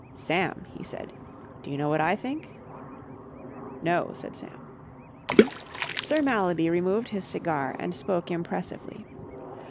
"Sam," he said, "do you know what I think?" "No," said Sam. Sir Mallaby removed his cigar and spoke impressively.